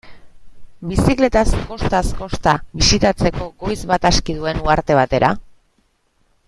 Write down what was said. Bizikletaz kostaz-kosta bisitatzeko goiz bat aski duen uharte batera?